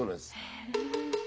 へえ。